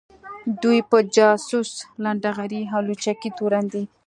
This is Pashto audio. دوی په جاسوۍ ، لنډغري او لوچکۍ تورن دي